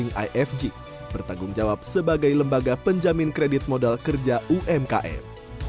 yang ifg bertanggung jawab sebagai lembaga penjamin kredit modal kerja umkm